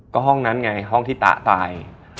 ก็ห้องนั้นไงห้องที่ตาตาย